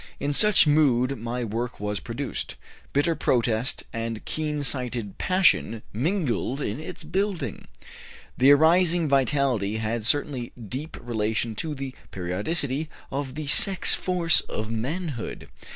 In such mood my work was produced; bitter protest and keen sighted passion mingled in its building. The arising vitality had certainly deep relation to the periodicity of the sex force of manhood.